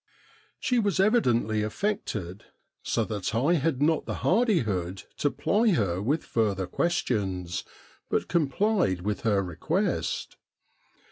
She was evidently affected so that I had not the hardihood to ply her with further questions, but complied with her request.